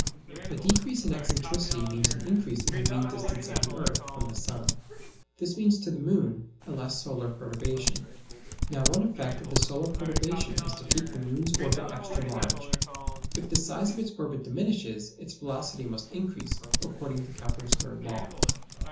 A decrease in excentricity means an increase in mean distance of the earth from the sun. This means to the moon a less solar perturbation. Now one effect of the solar perturbation is to keep the moon's orbit extra large: if the size of its orbit diminishes, its velocity must increase, according to Kepler's third law.